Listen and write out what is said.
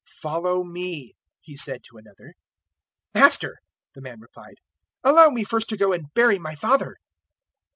009:059 "Follow me," He said to another. "Master," the man replied, "allow me first to go and bury my father."